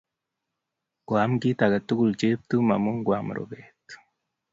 Koam kit age tugul Cheptum amun koamw rupet.